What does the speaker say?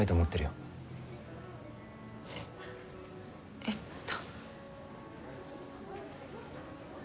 えっと。